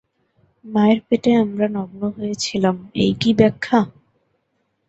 মায়ের পেটে আমরা নগ্ন হয়ে ছিলাম, এই কি ব্যাখ্যা?